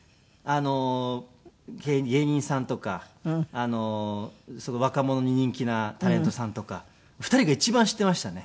芸人さんとか若者に人気なタレントさんとか２人が一番知っていましたね。